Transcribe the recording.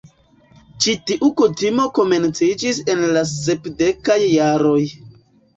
Ĉi-tiu kutimo komenciĝis en la sepdekaj jaroj.